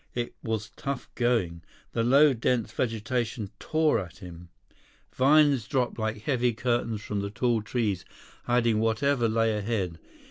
It was tough going. The low, dense vegetation tore at him. Vines dropped like heavy curtains from the tall trees hiding whatever lay ahead.